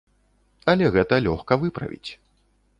Але гэта лёгка выправіць.